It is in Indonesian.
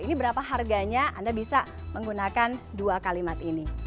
ini berapa harganya anda bisa menggunakan dua kalimat ini